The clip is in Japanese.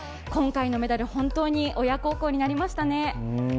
今回のメダル、本当に親孝行になりましたね。